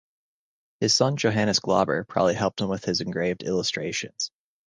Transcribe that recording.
His son Johannes Glauber probably helped him with his engraved illustrations.